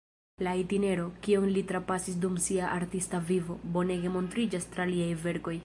La itinero, kion li trapasis dum sia artista vivo, bonege montriĝas tra liaj verkoj.